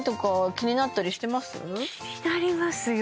気になりますよ